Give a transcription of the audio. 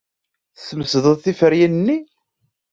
Tessemsed tiferyin-nni.